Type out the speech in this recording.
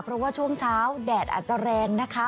เพราะว่าช่วงเช้าแดดอาจจะแรงนะคะ